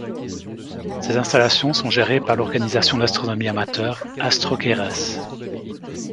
Ses installations sont gérées par l'organisation d'astronomie amateur AstroQueyras.